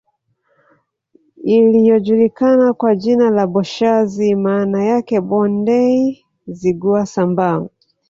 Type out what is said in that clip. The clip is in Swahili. Iliyojulikana kwa jina la Boshazi maana yake Bondei Zigua Sambaa